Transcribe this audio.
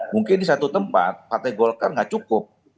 mungkin di satu tempat partai golkar nggak cukup